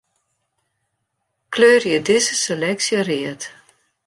Kleurje dizze seleksje read.